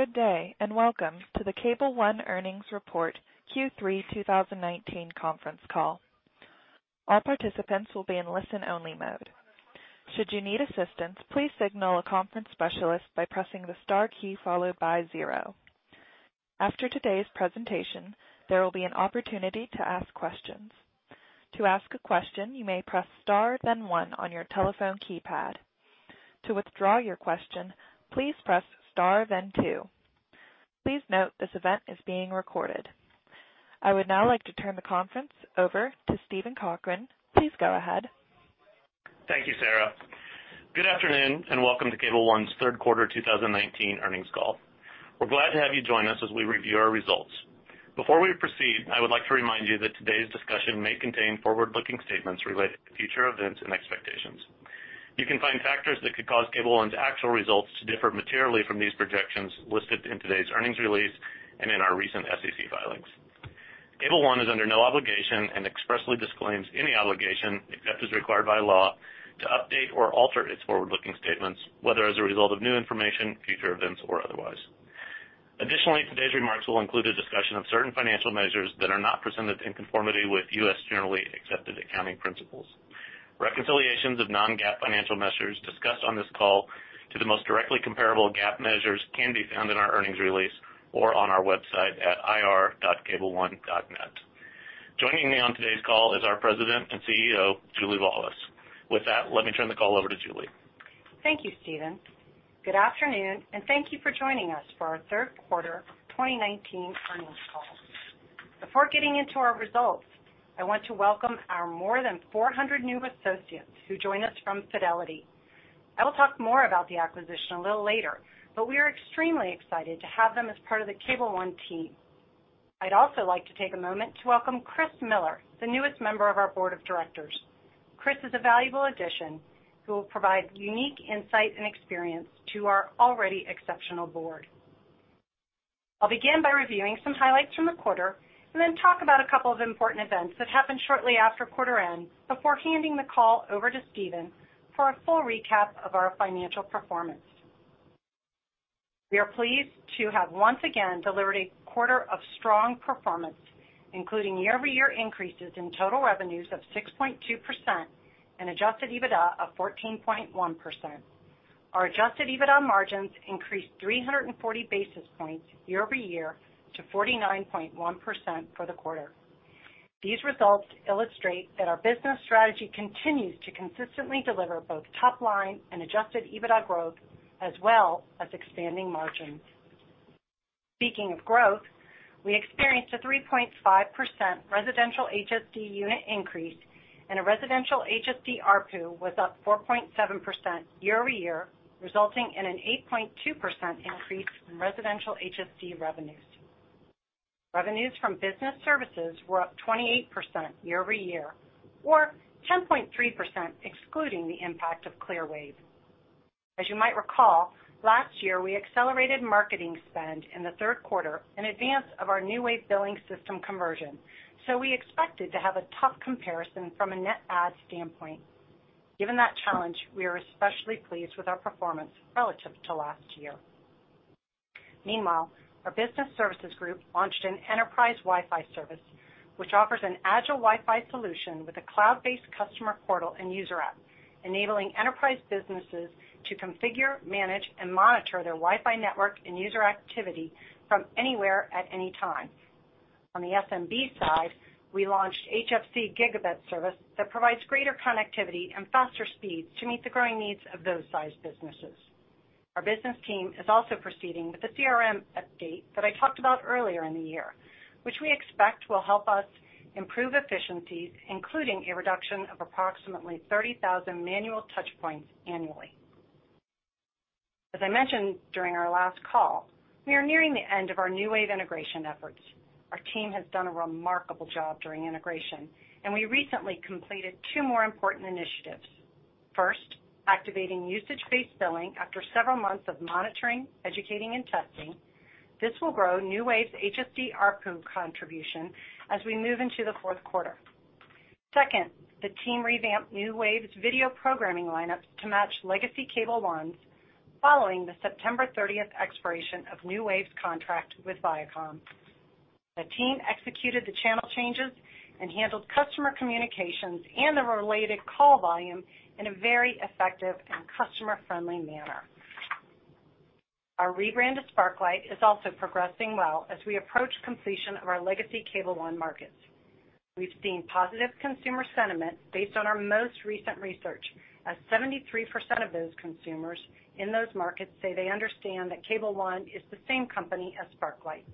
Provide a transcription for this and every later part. Good day, and welcome to the Cable One earnings report Q3 2019 conference call. All participants will be in listen-only mode. Should you need assistance, please signal a conference specialist by pressing the star key followed by zero. After today's presentation, there will be an opportunity to ask questions. To ask a question, you may press star then One on your telephone keypad. To withdraw your question, please press star, then two. Please note this event is being recorded. I would now like to turn the conference over to Steven Cochran. Please go ahead. Thank you, Sarah. Good afternoon, and welcome to Cable One's third quarter 2019 earnings call. We're glad to have you join us as we review our results. Before we proceed, I would like to remind you that today's discussion may contain forward-looking statements related to future events and expectations. You can find factors that could cause Cable One's actual results to differ materially from these projections listed in today's earnings release and in our recent SEC filings. Cable One is under no obligation and expressly disclaims any obligation, except as required by law, to update or alter its forward-looking statements, whether as a result of new information, future events, or otherwise. Additionally, today's remarks will include a discussion of certain financial measures that are not presented in conformity with U.S. generally accepted accounting principles. Reconciliations of non-GAAP financial measures discussed on this call to the most directly comparable GAAP measures can be found in our earnings release or on our website at ir.cableone.net. Joining me on today's call is our President and CEO, Julie Laulis. With that, let me turn the call over to Julie. Thank you, Steven. Good afternoon, and thank you for joining us for our third quarter 2019 earnings call. Before getting into our results, I want to welcome our more than 400 new associates who join us from Fidelity. I will talk more about the acquisition a little later, but we are extremely excited to have them as part of the Cable One team. I'd also like to take a moment to welcome Kristine Miller, the newest member of our board of directors. Kristine is a valuable addition who will provide unique insight and experience to our already exceptional board. I'll begin by reviewing some highlights from the quarter and then talk about a couple of important events that happened shortly after quarter end before handing the call over to Steven for a full recap of our financial performance. We are pleased to have once again delivered a quarter of strong performance, including year-over-year increases in total revenues of 6.2% and adjusted EBITDA of 14.1%. Our adjusted EBITDA margins increased 340 basis points year-over-year to 49.1% for the quarter. These results illustrate that our business strategy continues to consistently deliver both top-line and adjusted EBITDA growth, as well as expanding margins. Speaking of growth, we experienced a 3.5% residential HSD unit increase, and a residential HSD ARPU was up 4.7% year-over-year, resulting in an 8.2% increase in residential HSD revenues. Revenues from business services were up 28% year-over-year, or 10.3% excluding the impact of Clearwave. As you might recall, last year, we accelerated marketing spend in the third quarter in advance of our NewWave billing system conversion, so we expected to have a tough comparison from a net add standpoint. Given that challenge, we are especially pleased with our performance relative to last year. Meanwhile, our business services group launched an enterprise Wi-Fi service, which offers an agile Wi-Fi solution with a cloud-based customer portal and user app, enabling enterprise businesses to configure, manage, and monitor their Wi-Fi network and user activity from anywhere at any time. On the SMB side, we launched HFC Gigabit service that provides greater connectivity and faster speeds to meet the growing needs of those size businesses. Our business team is also proceeding with the CRM update that I talked about earlier in the year, which we expect will help us improve efficiencies, including a reduction of approximately 30,000 manual touch points annually. As I mentioned during our last call, we are nearing the end of our NewWave integration efforts. Our team has done a remarkable job during integration, and we recently completed two more important initiatives. First, activating usage-based billing after several months of monitoring, educating, and testing. This will grow NewWave's HSD ARPU contribution as we move into the fourth quarter. Second, the team revamped NewWave's video programming lineups to match Legacy Cable One's following the September 30th expiration of NewWave's contract with Viacom. The team executed the channel changes and handled customer communications and the related call volume in a very effective and customer-friendly manner. Our rebrand of Sparklight is also progressing well as we approach completion of our Legacy Cable One markets. We've seen positive consumer sentiment based on our most recent research, as 73% of those consumers in those markets say they understand that Cable One is the same company as Sparklight.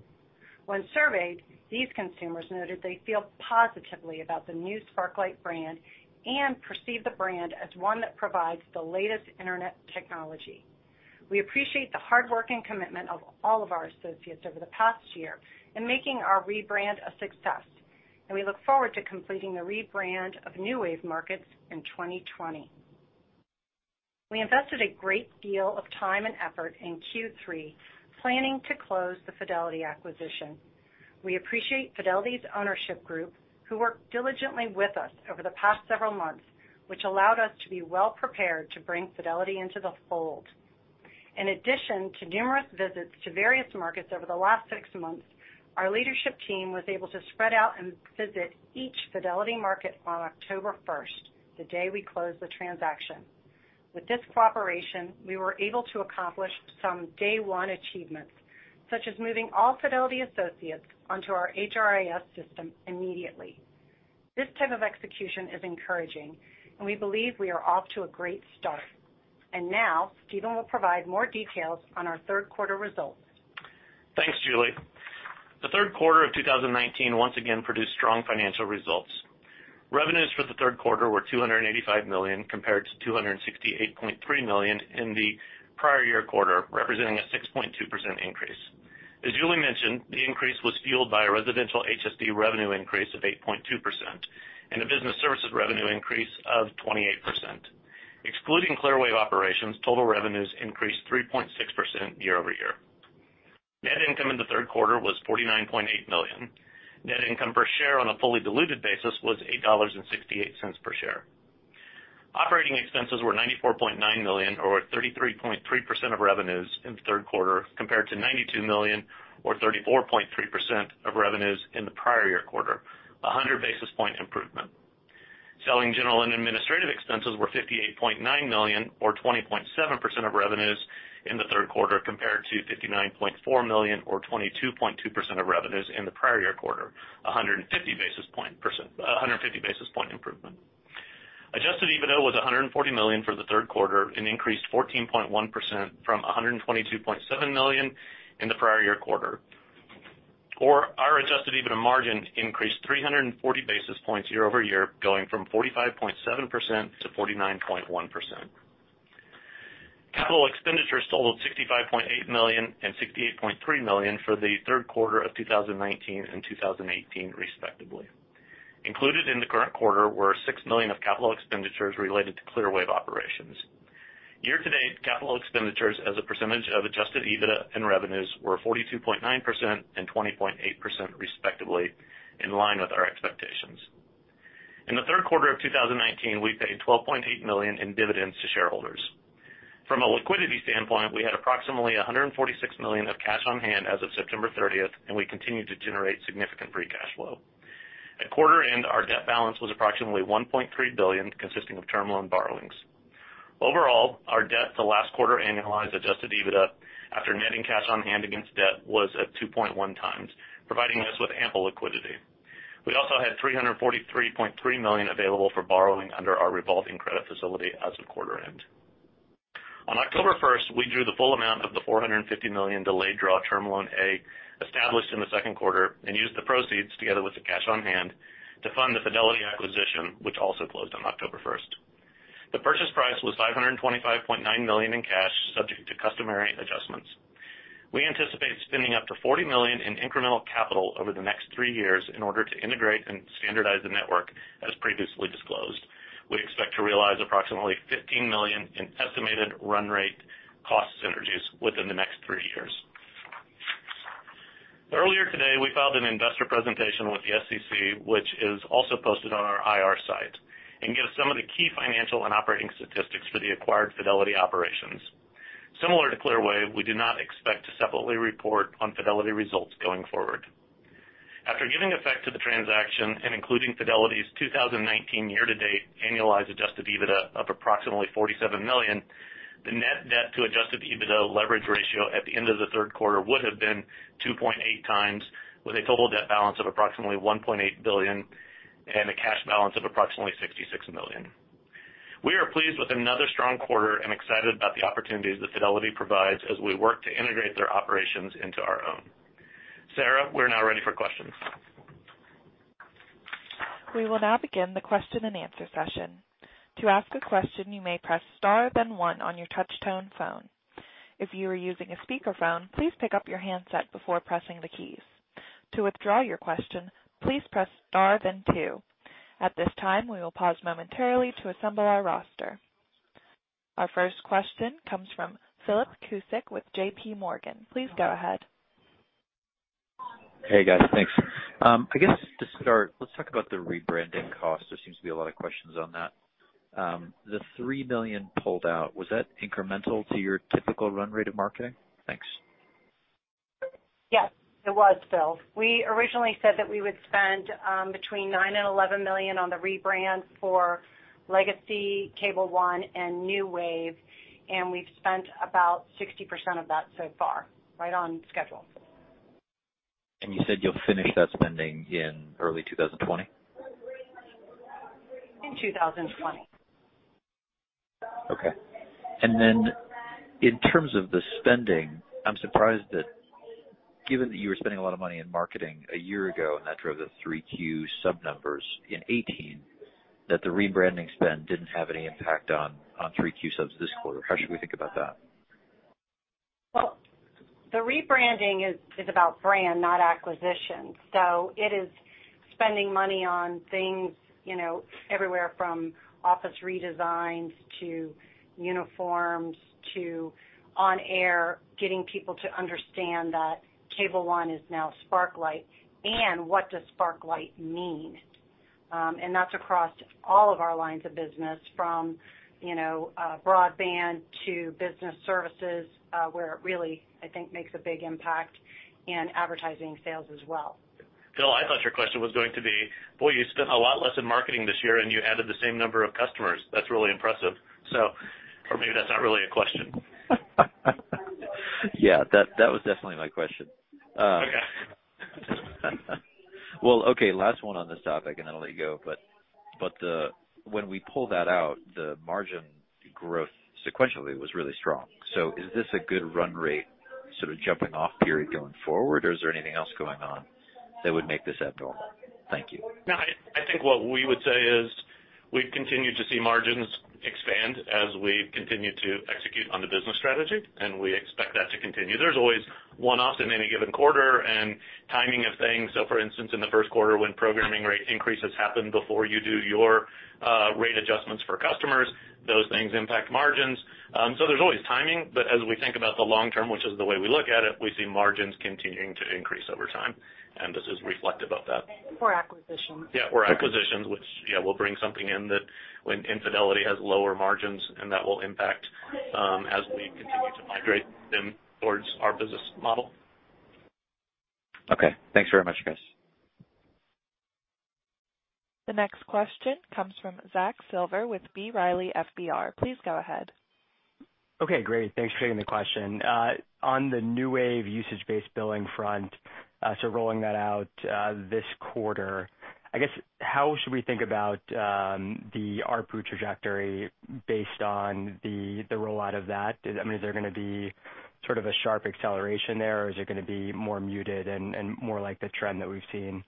When surveyed, these consumers noted they feel positively about the new Sparklight brand and perceive the brand as one that provides the latest internet technology. We appreciate the hard work and commitment of all of our associates over the past year in making our rebrand a success. We look forward to completing the rebrand of NewWave markets in 2020. We invested a great deal of time and effort in Q3 planning to close the Fidelity acquisition. We appreciate Fidelity's ownership group, who worked diligently with us over the past several months, which allowed us to be well-prepared to bring Fidelity into the fold. In addition to numerous visits to various markets over the last six months, our leadership team was able to spread out and visit each Fidelity market on October 1st, the day we closed the transaction. With this cooperation, we were able to accomplish some day one achievements, such as moving all Fidelity associates onto our HRIS system immediately. This type of execution is encouraging, and we believe we are off to a great start. Now, Steven will provide more details on our third quarter results. Thanks, Julie. The third quarter of 2019 once again produced strong financial results. Revenues for the third quarter were $285 million, compared to $268.3 million in the prior year quarter, representing a 6.2% increase. As Julie mentioned, the increase was fueled by a residential HSD revenue increase of 8.2% and a business services revenue increase of 28%. Excluding Clearwave operations, total revenues increased 3.6% year-over-year. Net income in the third quarter was $49.8 million. Net income per share on a fully diluted basis was $8.68 per share. Operating expenses were $94.9 million, or 33.3% of revenues in the third quarter, compared to $92 million, or 34.3% of revenues in the prior year quarter, a 100-basis point improvement. Selling general and administrative expenses were $58.9 million or 20.7% of revenues in the third quarter, compared to $59.4 million or 22.2% of revenues in the prior year quarter, a 150-basis point improvement. Adjusted EBITDA was $140 million for the third quarter and increased 14.1% from $122.7 million in the prior year quarter. Our adjusted EBITDA margin increased 340 basis points year-over-year, going from 45.7% to 49.1%. Capital expenditures totaled $65.8 million and $68.3 million for the third quarter of 2019 and 2018, respectively. Included in the current quarter were $6 million of capital expenditures related to Clearwave operations. Year to date, capital expenditures as a percentage of adjusted EBITDA and revenues were 42.9% and 20.8% respectively, in line with our expectations. In the third quarter of 2019, we paid $12.8 million in dividends to shareholders. From a liquidity standpoint, we had approximately $146 million of cash on hand as of September 30th, and we continued to generate significant free cash flow. At quarter end, our debt balance was approximately $1.3 billion, consisting of term loan borrowings. Overall, our debt to last quarter annualized adjusted EBITDA, after netting cash on hand against debt, was at 2.1 times, providing us with ample liquidity. We also had $343.3 million available for borrowing under our revolving credit facility as of quarter end. On October 1st, we drew the full amount of the $450 million delayed draw term loan A established in the second quarter and used the proceeds together with the cash on hand to fund the Fidelity acquisition, which also closed on October 1st. The purchase price was $525.9 million in cash, subject to customary adjustments. We anticipate spending up to $40 million in incremental capital over the next three years in order to integrate and standardize the network as previously disclosed. We expect to realize approximately $15 million in estimated run rate cost synergies within the next three years. Earlier today, we filed an investor presentation with the SEC, which is also posted on our IR site and gives some of the key financial and operating statistics for the acquired Fidelity operations. Similar to Clearwave, we do not expect to separately report on Fidelity results going forward. After giving effect to the transaction and including Fidelity's 2019 year to date annualized adjusted EBITDA of approximately $47 million, the net debt to adjusted EBITDA leverage ratio at the end of the third quarter would have been 2.8 times with a total debt balance of approximately $1.8 billion and a cash balance of approximately $66 million. We are pleased with another strong quarter and excited about the opportunities that Fidelity provides as we work to integrate their operations into our own. Sarah, we're now ready for questions. We will now begin the question and answer session. To ask a question, you may press star then one on your touch tone phone. If you are using a speakerphone, please pick up your handset before pressing the keys. To withdraw your question, please press star then two. At this time, we will pause momentarily to assemble our roster. Our first question comes from Philip Cusick with J.P. Morgan. Please go ahead. Hey, guys. Thanks. I guess to start, let's talk about the rebranding cost. There seems to be a lot of questions on that. The $3 million pulled out, was that incremental to your typical run rate of marketing? Thanks. Yes. It was, Phil. We originally said that we would spend between $9 million and $11 million on the rebrand for Legacy Cable One and NewWave, and we've spent about 60% of that so far, right on schedule. You said you'll finish that spending in early 2020? In 2020. Okay. In terms of the spending, I'm surprised that given that you were spending a lot of money in marketing a year ago, and that drove the 3Q sub numbers in 2018, that the rebranding spend didn't have any impact on 3Q subs this quarter. How should we think about that? The rebranding is about brand, not acquisition. It is spending money on things everywhere from office redesigns to uniforms to on air, getting people to understand that Cable One is now Sparklight, and what does Sparklight mean? That's across all of our lines of business from broadband to business services, where it really, I think, makes a big impact in advertising sales as well. Phil, I thought your question was going to be, boy, you spent a lot less in marketing this year and you added the same number of customers. That's really impressive. Or maybe that's not really a question. Yeah, that was definitely my question. Okay. Well, okay, last one on this topic and then I'll let you go. When we pull that out, the margin growth sequentially was really strong. Is this a good run rate sort of jumping-off period going forward, or is there anything else going on that would make this abnormal? Thank you. No, I think what we would say is we continue to see margins expand as we continue to execute on the business strategy, and we expect that to continue. There's always one-offs in any given quarter and timing of things. For instance, in the first quarter when programming rate increases happen before you do your rate adjustments for customers, those things impact margins. There's always timing, but as we think about the long term, which is the way we look at it, we see margins continuing to increase over time, and this is reflective of that. Acquisitions. Acquisitions, which, we'll bring something in that when Fidelity has lower margins and that will impact as we continue to migrate them towards our business model. Okay. Thanks very much, guys. The next question comes from Zach Silver with B. Riley FBR. Please go ahead. Okay, great. Thanks for taking the question. On the NewWave usage-based billing front, so rolling that out this quarter, I guess how should we think about the ARPU trajectory based on the rollout of that? I mean, is there going to be sort of a sharp acceleration there, or is it going to be more muted and more like the trend that we've seen?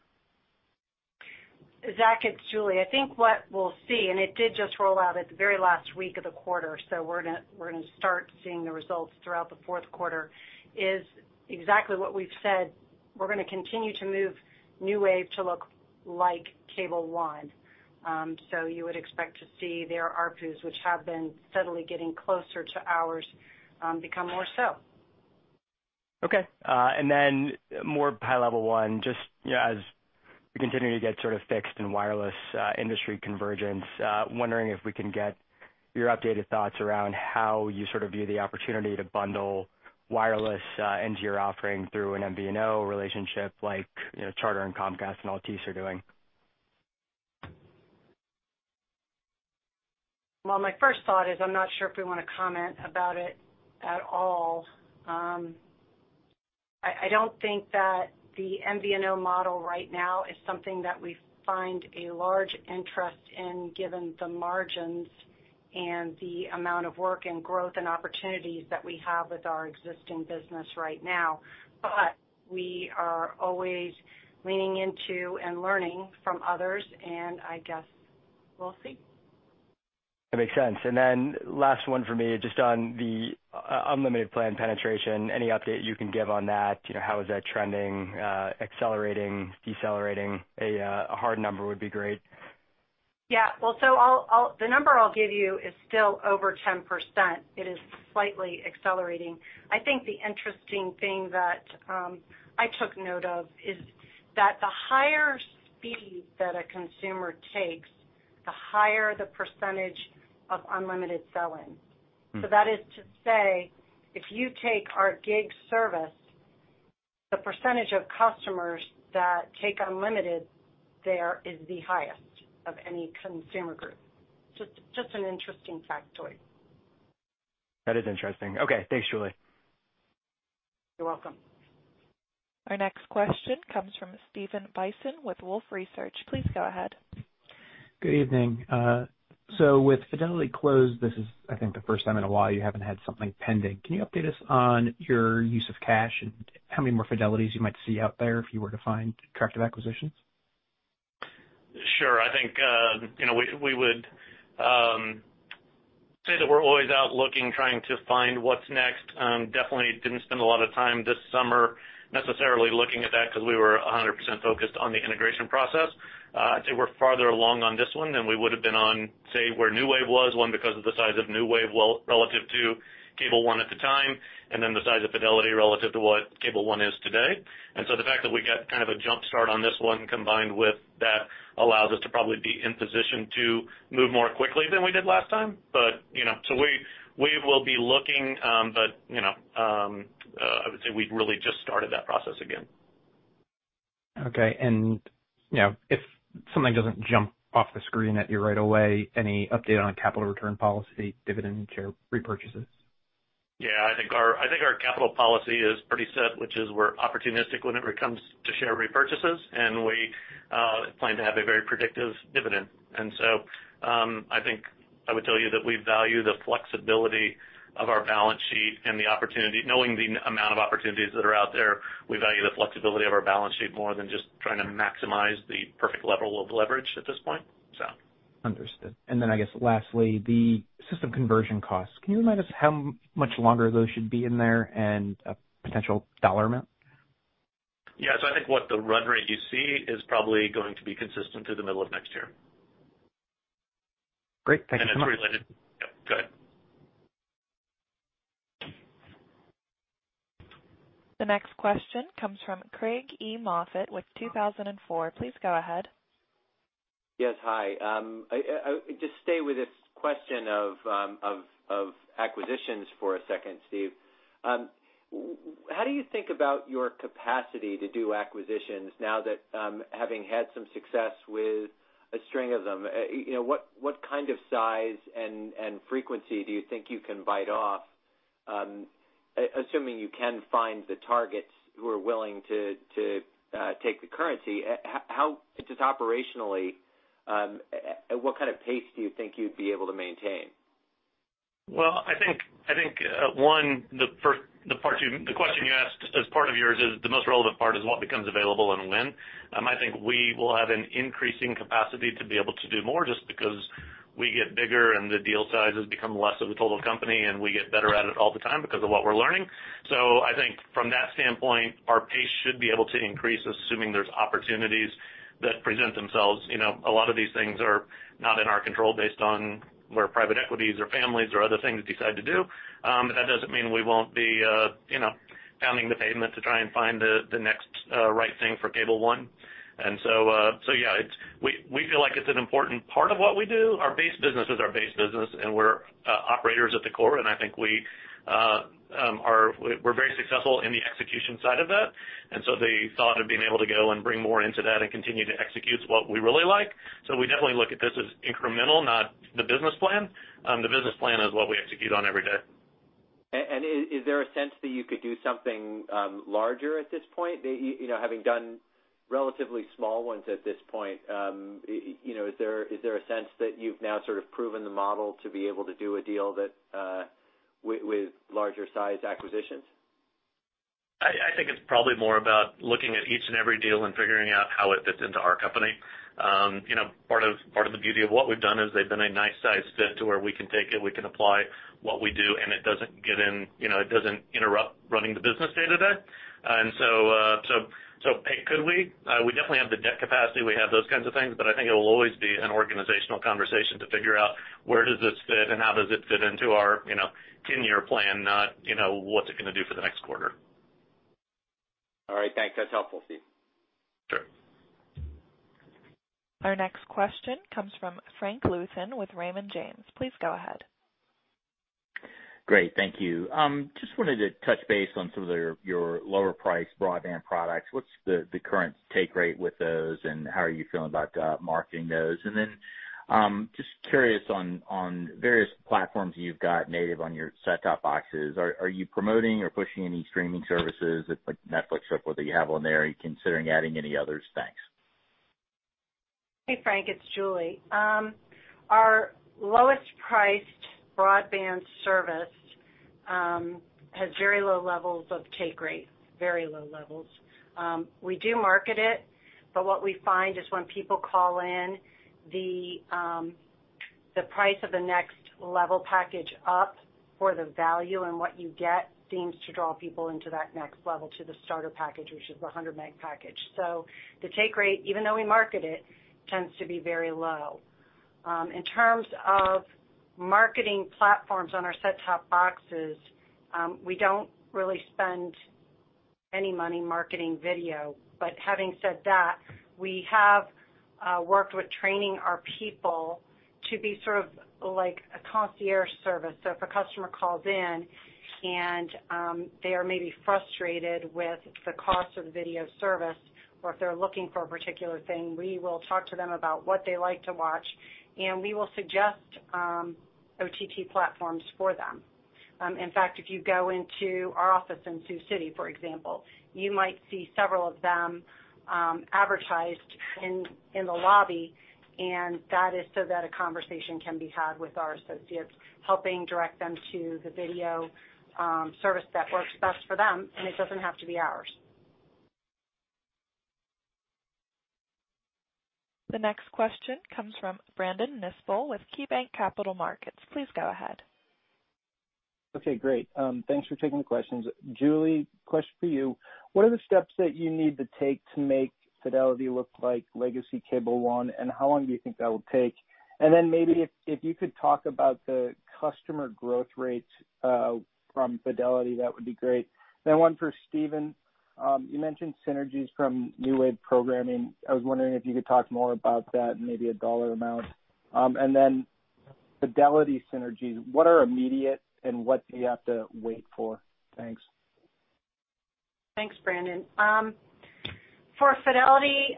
Zach, it's Julie. I think what we'll see, it did just roll out at the very last week of the quarter, we're going to start seeing the results throughout the fourth quarter, is exactly what we've said. We're going to continue to move NewWave to look like Cable One. You would expect to see their ARPUs, which have been steadily getting closer to ours, become more so. Okay. More high level one, just as we continue to get sort of fixed in wireless industry convergence, wondering if we can get your updated thoughts around how you sort of view the opportunity to bundle wireless into your offering through an MVNO relationship like Charter and Comcast and Altice are doing? Well, my first thought is I'm not sure if we want to comment about it at all. I don't think that the MVNO model right now is something that we find a large interest in given the margins and the amount of work and growth and opportunities that we have with our existing business right now. We are always leaning into and learning from others, and I guess we'll see. That makes sense. Last one for me, just on the unlimited plan penetration, any update you can give on that? How is that trending? Accelerating, decelerating? A hard number would be great. Yeah. Well, the number I'll give you is still over 10%. It is slightly accelerating. I think the interesting thing that I took note of is that the higher speed that a consumer takes, the higher the percentage of unlimited sell-in. That is to say, if you take our gig service, the percentage of customers that take unlimited there is the highest of any consumer group. Just an interesting factoid. That is interesting. Okay. Thanks, Julie. You're welcome. Our next question comes from Stephan Bisson with Wolfe Research. Please go ahead. Good evening. With Fidelity closed, this is, I think, the first time in a while you haven't had something pending. Can you update us on your use of cash and how many more Fidelities you might see out there if you were to find attractive acquisitions? Sure. I think we would say that we're always out looking, trying to find what's next. Definitely didn't spend a lot of time this summer necessarily looking at that because we were 100% focused on the integration process. I'd say we're farther along on this one than we would've been on, say, where NewWave was, one, because of the size of NewWave relative to Cable One at the time, and then the size of Fidelity relative to what Cable One is today. The fact that we got kind of a jump start on this one combined with that allows us to probably be in position to move more quickly than we did last time. We will be looking, but I would say we've really just started that process again. Okay, if something doesn't jump off the screen at you right away, any update on capital return policy, dividend share repurchases? Yeah, I think our capital policy is pretty set, which is we're opportunistic whenever it comes to share repurchases, and we plan to have a very predictive dividend. I think I would tell you that we value the flexibility of our balance sheet and the opportunity. Knowing the amount of opportunities that are out there, we value the flexibility of our balance sheet more than just trying to maximize the perfect level of leverage at this point. Understood. I guess lastly, the system conversion costs. Can you remind us how much longer those should be in there and a potential dollar amount? Yeah. I think what the run rate you see is probably going to be consistent through the middle of next year. Great. Thank you so much. It's related. Yep, go ahead. The next question comes from Craig E. Moffett with MoffettNathanson. Please go ahead. Yes. Hi. Just stay with this question of acquisitions for a second, Steve. How do you think about your capacity to do acquisitions now that having had some success with a string of them? What kind of size and frequency do you think you can bite off? Assuming you can find the targets who are willing to take the currency, just operationally, what kind of pace do you think you'd be able to maintain? Well, I think, one, the question you asked as part of yours is the most relevant part is what becomes available and when. I think we will have an increasing capacity to be able to do more just because we get bigger and the deal sizes become less of a total company, and we get better at it all the time because of what we're learning. I think from that standpoint, our pace should be able to increase, assuming there's opportunities that present themselves. A lot of these things are not in our control based on where private equities or families or other things decide to do. That doesn't mean we won't be pounding the pavement to try and find the next right thing for Cable One. Yeah, we feel like it's an important part of what we do. Our base business is our base business, and we're operators at the core, and I think we're very successful in the execution side of that. The thought of being able to go and bring more into that and continue to execute is what we really like. We definitely look at this as incremental, not the business plan. The business plan is what we execute on every day. Is there a sense that you could do something larger at this point? Having done relatively small ones at this point, is there a sense that you've now sort of proven the model to be able to do a deal with larger size acquisitions? I think it's probably more about looking at each and every deal and figuring out how it fits into our company. Part of the beauty of what we've done is they've been a nice size fit to where we can take it, we can apply what we do, and it doesn't interrupt running the business day to day. Could we? We definitely have the debt capacity, we have those kinds of things, but I think it'll always be an organizational conversation to figure out where does this fit and how does it fit into our 10-year plan, not what's it going to do for the next quarter. All right. Thanks. That's helpful, Steve. Sure. Our next question comes from Frank Louthan with Raymond James. Please go ahead. Great. Thank you. Just wanted to touch base on some of your lower priced broadband products. What's the current take rate with those, and how are you feeling about marketing those? Just curious on various platforms you've got native on your set-top boxes. Are you promoting or pushing any streaming services like Netflix or whatever that you have on there? Are you considering adding any others? Thanks. Hey, Frank, it's Julie. Our lowest priced broadband service has very low levels of take rate, very low levels. We do market it, but what we find is when people call in, the price of the next level package up for the value and what you get seems to draw people into that next level, to the starter package, which is the 100 meg package. The take rate, even though we market it, tends to be very low. In terms of marketing platforms on our set-top boxes, we don't really spend any money marketing video. Having said that, we have worked with training our people to be sort of like a concierge service. If a customer calls in and they are maybe frustrated with the cost of the video service, or if they're looking for a particular thing, we will talk to them about what they like to watch, and we will suggest OTT platforms for them. In fact, if you go into our office in Sioux City, for example, you might see several of them advertised in the lobby, and that is so that a conversation can be had with our associates, helping direct them to the video service that works best for them, and it doesn't have to be ours. The next question comes from Brandon Nispel with KeyBanc Capital Markets. Please go ahead. Okay, great. Thanks for taking the questions. Julie, question for you. What are the steps that you need to take to make Fidelity look like legacy Cable One, and how long do you think that will take? Maybe if you could talk about the customer growth rate from Fidelity, that would be great. One for Steven. You mentioned synergies from NewWave programming. I was wondering if you could talk more about that and maybe a dollar amount. Fidelity synergies, what are immediate and what do you have to wait for? Thanks. Thanks, Brandon. For Fidelity,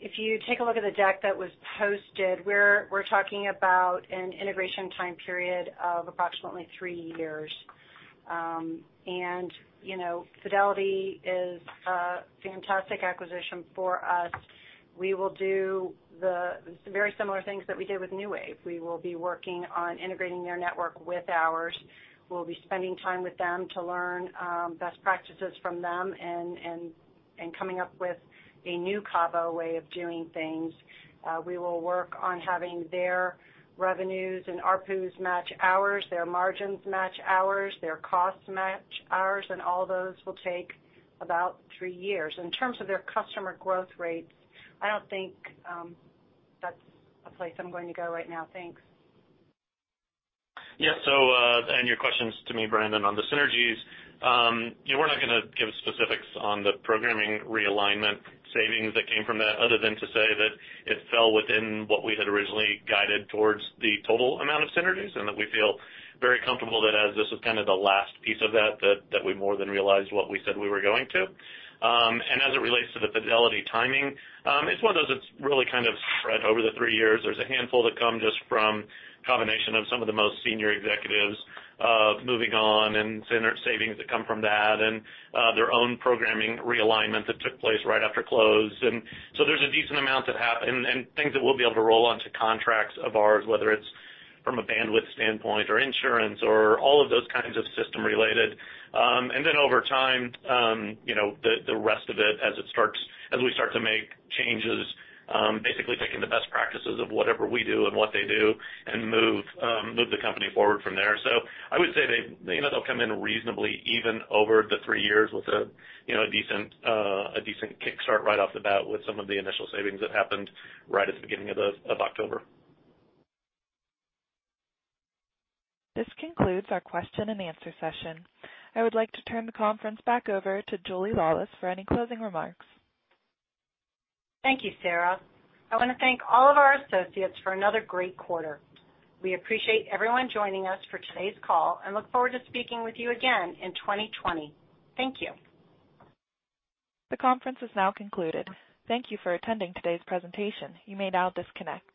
if you take a look at the deck that was posted, we're talking about an integration time period of approximately 3 years. Fidelity is a fantastic acquisition for us. We will do the very similar things that we did with NewWave. We will be working on integrating their network with ours. We'll be spending time with them to learn best practices from them and coming up with a new Cabo way of doing things. We will work on having their revenues and ARPUs match ours, their margins match ours, their costs match ours, and all those will take about 3 years. In terms of their customer growth rates, I don't think that's a place I'm going to go right now. Thanks. Yeah. Your question's to me, Brandon, on the synergies. We're not going to give specifics on the programming realignment savings that came from that, other than to say that it fell within what we had originally guided towards the total amount of synergies, and that we feel very comfortable that as this was kind of the last piece of that we more than realized what we said we were going to. As it relates to the Fidelity timing, it's one of those that's really kind of spread over the three years. There's a handful that come just from combination of some of the most senior executives moving on and savings that come from that and their own programming realignment that took place right after close. There's a decent amount that and things that we'll be able to roll onto contracts of ours, whether it's from a bandwidth standpoint or insurance or all of those kinds of system related. Over time, the rest of it as we start to make changes, basically taking the best practices of whatever we do and what they do and move the company forward from there. I would say they'll come in reasonably even over the three years with a decent kick start right off the bat with some of the initial savings that happened right at the beginning of October. This concludes our question and answer session. I would like to turn the conference back over to Julie Laulis for any closing remarks. Thank you, Sarah. I want to thank all of our associates for another great quarter. We appreciate everyone joining us for today's call and look forward to speaking with you again in 2020. Thank you. The conference is now concluded. Thank you for attending today's presentation. You may now disconnect.